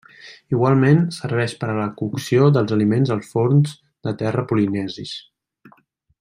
Igualment, serveix per a la cocció dels aliments als forns de terra polinesis.